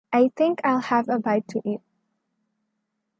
I think I'll have a bite to eat.